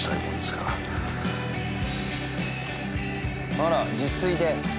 あら自炊で。